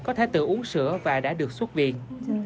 có thể tự uống sữa và đã được xuất viện